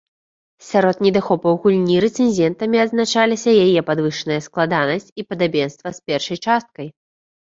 Сярод недахопаў гульні рэцэнзентамі адзначаліся яе падвышаная складанасць і падабенства з першай часткай.